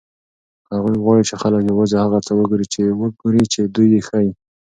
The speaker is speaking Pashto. هغوی غواړي چې خلک یوازې هغه څه وګوري چې دوی یې ښيي.